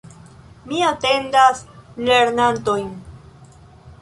Mi atendas lernantojn.